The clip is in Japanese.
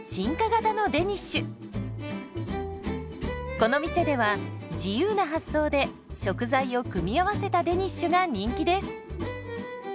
この店では自由な発想で食材を組み合わせたデニッシュが人気です。